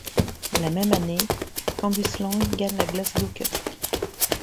La même année, Cambuslang gagne la Glasgow Cup.